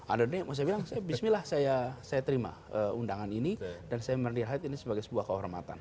ada dunia yang saya bilang bismillah saya terima undangan ini dan saya melihat ini sebagai sebuah kehormatan